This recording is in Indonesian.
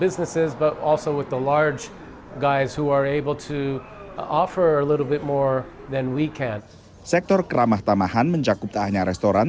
sektor keramah tamahan mencakup tak hanya restoran